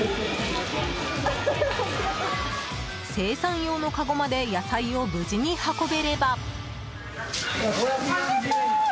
精算用のかごまで野菜を無事に運べれば。